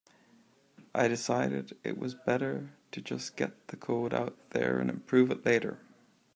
I decided it was better to just get the code out there and improve it later.